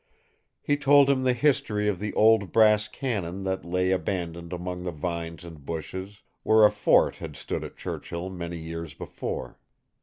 He told him the history of the old brass cannon that lay abandoned among the vines and bushes, where a fort had stood at Churchill many years before.